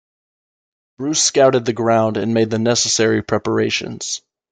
Bruce scouted the ground and made the necessary preparations.